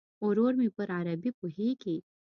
ورور مې پر عربي پوهیږي.